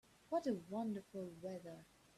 What a wonderful weather!